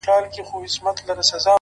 د زده کړې تنده پرمختګ چټکوي’